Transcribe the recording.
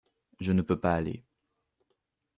Je ne peux pas aller.